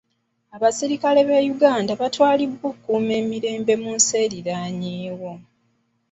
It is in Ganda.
Abasirikale ba Uganda baatwalibwa okukuuma emirembe mu nsi eriraanyeewo.